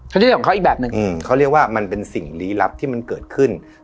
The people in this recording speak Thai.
อันนี้ของเขาอีกแบบหนึ่งเขาเรียกว่ามันเป็นสิ่งลี้ลับที่มันเกิดขึ้น